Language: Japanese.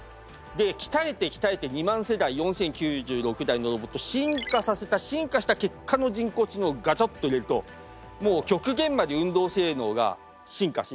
で鍛えて鍛えて２万世代４，０９６台のロボット進化させた進化した結果の人工知能をガチャッと入れるともう極限まで運動性能が進化し。